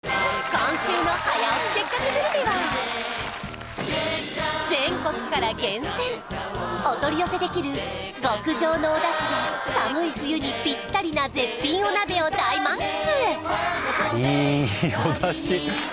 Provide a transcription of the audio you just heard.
今週の「早起きせっかくグルメ！！」は全国から厳選お取り寄せできる極上のお出汁で寒い冬にぴったりな絶品お鍋を大満喫